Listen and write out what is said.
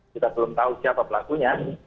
kita belum tahu siapa pelakunya